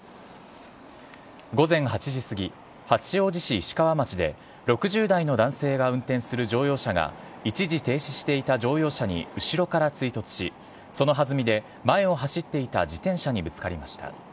午前８時すぎ八王子市石川町で６０代の男性が運転する乗用車が一時停止していた乗用車に後ろから追突しその弾みで前を走っていた自転車にぶつかりました。